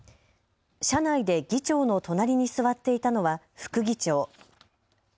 車内で議長の隣に座っていたのは副議長。